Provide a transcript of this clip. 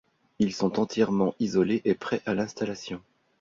Ils sont entièrement isolés et prêts à l'installation.